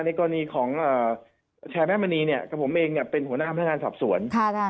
ว่าอันนี้ก็เชิงแม่มณีกับผมเองเป็นหัวหน้าภังงานสับสวน